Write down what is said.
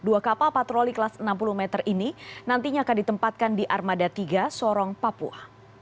dua kapal patroli kelas enam puluh meter ini nantinya akan ditempatkan di armada tiga sorong papua